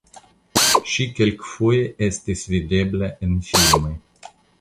Ŝi kelkfoje estis videbla en filmoj.